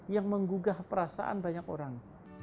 yang menggugah perasaan banyak orang